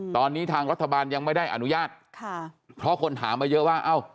ตอนนี้ทางรัฐบาลยังไม่ได้อนุญาตค่ะเพราะคนถามมาเยอะว่าเอ้า